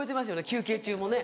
休憩中もね